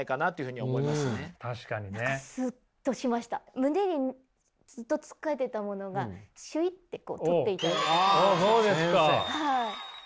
胸にずっとつっかえてたものがシュイってこう取っていただいた感じがします。